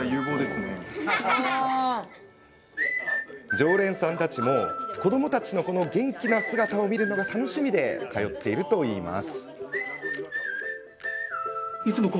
常連さんたちも、子どもたちの元気な姿を見るのが楽しみで通ってくるといいます。